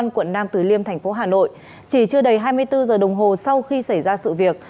quận nam từ liêm thành phố hà nội chỉ chưa đầy hai mươi bốn giờ đồng hồ sau khi xảy ra sự việc